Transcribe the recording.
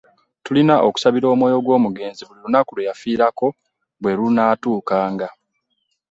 Tulina okusabira omwoyo gwomugenzi buli lunaku lweyafiirako bwe lunaatuukanga.